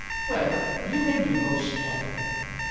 "Well, you can do ghost for them."